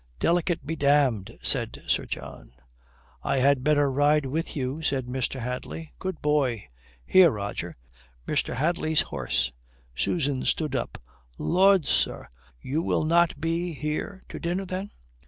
"Delicate be damned," said Sir John. "I had better ride with you," said Mr. Hadley. "Good boy. Here, Roger Mr. Hadley's horse." Susan stood up. "Lud, sir, you will not be here to dinner then?"